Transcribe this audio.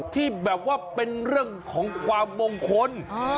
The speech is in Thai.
ที่แบบว่าเป็นเรื่องของความมงคล